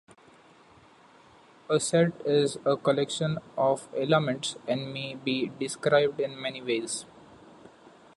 A "set" is a collection of "elements", and may be described in many ways.